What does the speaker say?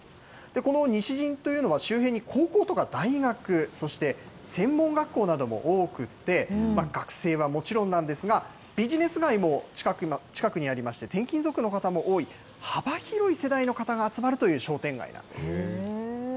この西新というのは、周辺に高校とか大学、そして、専門学校なども多くて、学生はもちろんなんですが、ビジネス街も近くにありまして、転勤族の方も多い、幅広い世代の方が集まるという商店街なんです。